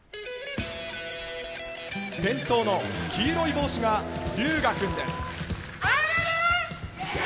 先頭の黄色い帽子が龍芽くんです。